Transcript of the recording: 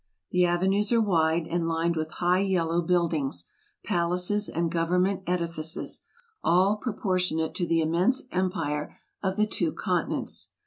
The avenues are wide, and lined with high yellow build ings, palaces, and government edifices, all proportionate to the immense empire of the two continents.